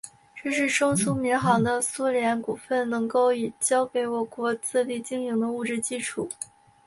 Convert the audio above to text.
这是中苏民航的苏联股份能够已交给我国自力经营的物质基础。